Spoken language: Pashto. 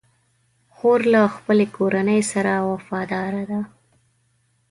خور له خپلې کورنۍ سره وفاداره ده.